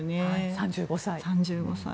３５歳。